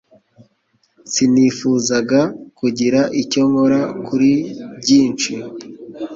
Sinifuzaga kugira icyo nkora kuri byinshi.